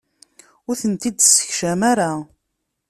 Ur tent-id-ssekcam ara.